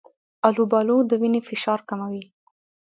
آلوبالو د وینې فشار کموي.